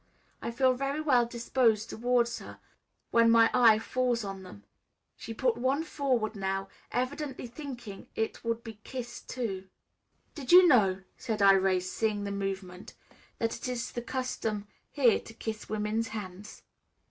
I feel very well disposed towards her when my eye falls on them. She put one forward now, evidently thinking it would be kissed too. "Did you know," said Irais, seeing the movement, "that it is the custom here to kiss women's hands?"